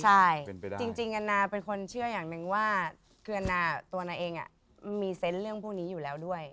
ใช่จริงแอนนาเป็นคนเชื่ออย่างหนึ่งว่าคือตัวนาเองมีเซนต์เรื่องพวกนี้อยู่แล้วด้วย